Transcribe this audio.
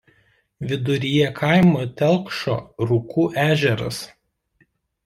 Viduryje kaimo telkšo Rukų ežeras.